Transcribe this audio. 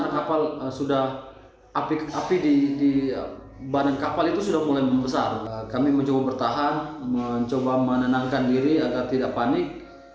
kepala penumpang mencoba menenangkan diri agar tidak panik